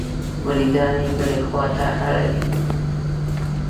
مریدان یې بلې خوا ته اړوي.